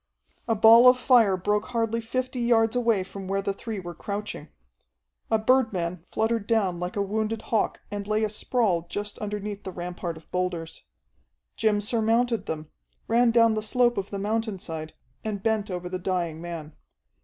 A ball of fire broke hardly fifty yards away from where the three were crouching. A birdman fluttered down like a wounded hawk and lay a sprawl just underneath the rampart of boulders. Jim surmounted them, ran down the slope of the mountainside, and bent over the dying man.